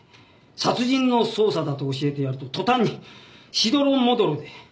殺人の捜査だと教えてやると途端にしどろもどろで。